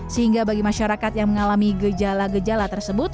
sehingga bagi masyarakat yang mengalami gejala gejala tersebut